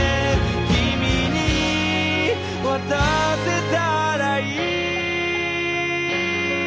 「君に渡せたらいい」